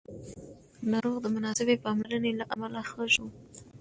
ناروغ د مناسبې پاملرنې له امله ښه شو